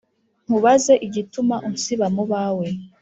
Nkubaze igituma unsiba mu bawe